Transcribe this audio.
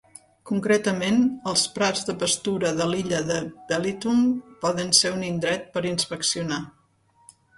Concretament, els prats de pastura de l'illa de Belitung poden ser un indret per inspeccionar.